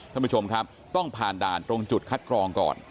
ท่านผู้ชมครับต้องผ่านด่านตรงจุดคัดกรองก่อน